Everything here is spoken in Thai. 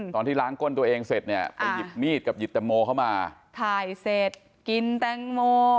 ตอนที่ล้างก้นตัวเองเสร็จเนี่ยไปหยิบมีดกับหยิบแตงโมเข้ามาถ่ายเสร็จกินแตงโม